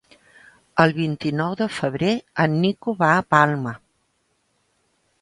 El vint-i-nou de febrer en Nico va a Palma.